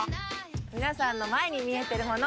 皆さんの前に見えてるもの